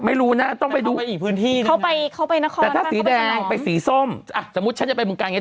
ไม่รู้นะต้องไปดูแต่ถ้าสีแดงไปสีส้มสมมุติฉันจะไปบุญการอย่างนี้